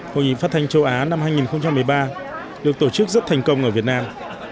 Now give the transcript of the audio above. hội nghị phát thanh châu á năm hai nghìn một mươi ba được tổ chức rất thành công ở việt nam